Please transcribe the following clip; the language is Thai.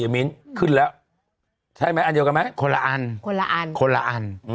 เยะมิ้นท์ถึงแล้วใช่ไหมอันเดียวกันไหมคนคนละอันคนละอัน